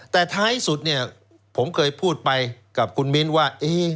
แต่ท้ายสุดเนี่ยผมเคยพูดไปกับคุณมิ้นว่า